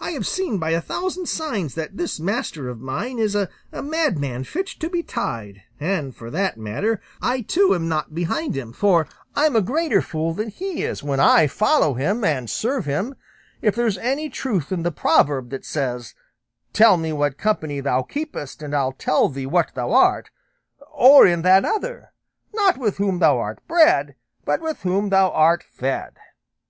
I have seen by a thousand signs that this master of mine is a madman fit to be tied, and for that matter, I too, am not behind him; for I'm a greater fool than he is when I follow him and serve him, if there's any truth in the proverb that says, 'Tell me what company thou keepest, and I'll tell thee what thou art,' or in that other, 'Not with whom thou art bred, but with whom thou art fed.